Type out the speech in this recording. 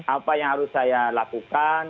apa yang harus saya lakukan